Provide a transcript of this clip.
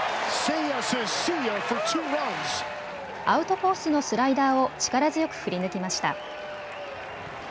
アウトコースのスライダーを力強く振り抜きました。